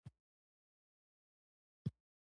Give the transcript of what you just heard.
د سمنګان په حضرت سلطان کې کوم کان دی؟